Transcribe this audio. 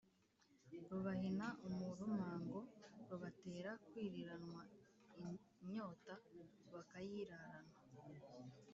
. Rubahina umurumango: Rubatera kwiriranwa inyota bakayirarana.